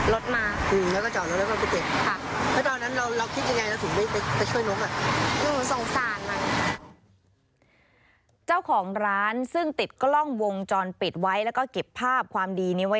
แล้วก็ข้ามถนนไปเก็บนกค่ะก็วนรถมาอือแล้วก็จอดรถหนักเราไปเก็บค่ะ